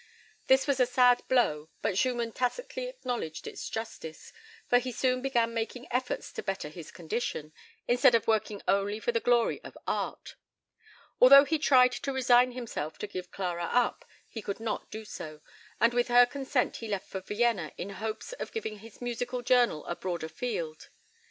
This was a sad blow, but Schumann tacitly acknowledged its justice, for he soon began making efforts to better his condition, instead of working only for the glory of art. Although he tried to resign himself to give Clara up, he could not do so, and with her consent he left for Vienna in hopes of giving his music journal a broader field.